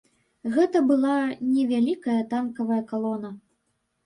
Гэта была невялікая танкавая калона.